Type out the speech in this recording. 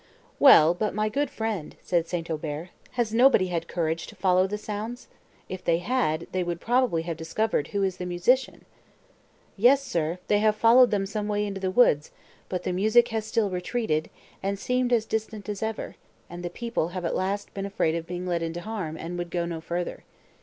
"Well, but, my good friend," said St. Aubert, "has nobody had courage to follow the sounds? If they had, they would probably have discovered who is the musician." "Yes, sir, they have followed them some way into the woods, but the music has still retreated, and seemed as distant as ever, and the people have at last been afraid of being led into harm, and would go no further.